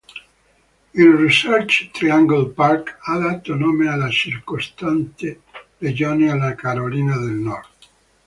Il Research Triangle Park ha dato nome alla circostante regione della Carolina del Nord.